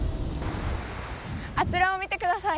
あちらを見てください。